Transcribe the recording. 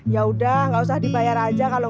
yaudah gak usah dibayar aja kalau bu